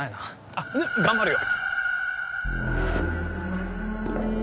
あっでも頑張るよ。